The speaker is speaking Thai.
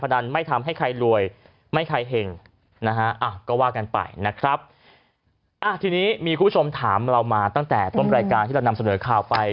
ทีนี้มีคุณผู้ชมถามเรามาตั้งแต่ต้นรายการที่เรานำเสนอข่าวไป